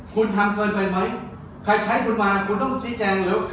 คุณทำเกินไปไหมใครใช้คุณมาคุณต้องชี้แจงเหรอ